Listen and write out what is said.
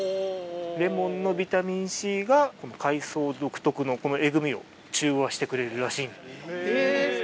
レモンのビタミンＣが海藻独特のこのえぐみを中和してくれるらしい。